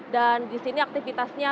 dan di sini aktivitasnya